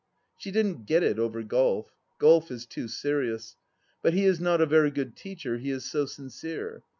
She didn't get it over golf. Golf is too serious. But he is not a very good teacher, he is so sincere.